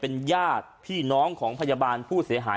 เป็นญาติพี่น้องของพยาบาลผู้เสียหาย